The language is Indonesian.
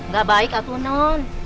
gak baik kak tunon